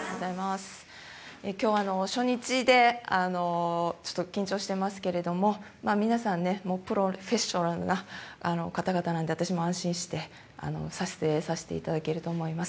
今日初日でちょっと緊張してますけれども皆さんねプロフェッショナルな方々なんで私も安心して撮影させていただけると思います